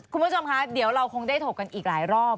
คุณผู้ชมคะเดี๋ยวเราคงได้ถกกันอีกหลายรอบ